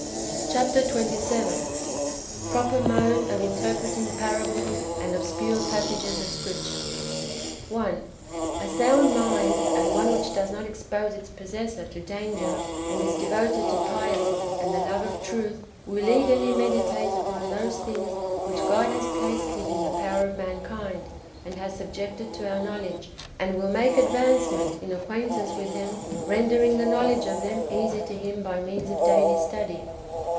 Chap, xxvii. — Proper mode of interpreting loarahles and ohscure passages of Scripture. 1. A sound mind, and one which does not expose its pos sessor to danger, and is devoted to piety and the love of truth, will eagerly meditate upon those things which God has placed within the power of mankind, and has subjected to our knowledge, and will make advancement in [acquaintance with] them, rendering the knowledge of them easy to him by means of daily study.